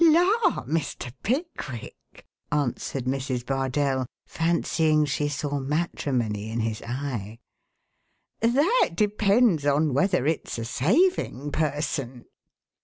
"La, Mr. Pickwick!" answered Mrs. Bardell, fancying she saw matrimony in his eye. "That depends on whether it's a saving person."